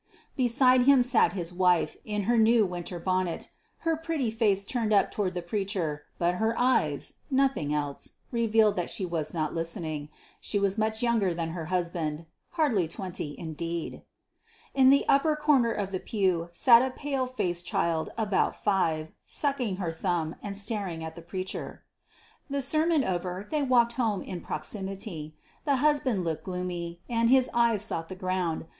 Beside him sat his wife, in her new winter bonnet, her pretty face turned up toward the preacher; but her eyes nothing else revealed that she was not listening. She was much younger than her husband hardly twenty, indeed. In the upper corner of the pew sat a pale faced child about five, sucking her thumb, and staring at the preacher. The sermon over, they walked home in proximity. The husband looked gloomy, and his eyes sought the ground.